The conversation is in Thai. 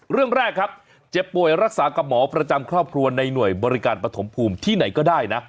เรื่องแรกครับเจ็บป่วยรักษากับหมอประจำครอบครัวในหน่วยบริการปฐมภูมิที่ไหนก็ได้นะ